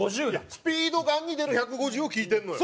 スピードガンに出る１５０を聞いてるのよ。